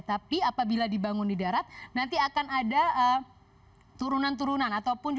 tapi apabila dibangun di darat nanti akan ada turunan turunan ataupun